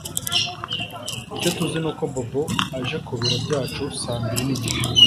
Icyo tuzi ni uko Bobo aje ku biro byacu saa mbiri nigice